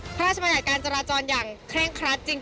พระราชบัญญัติการจราจรอย่างเคร่งครัดจริง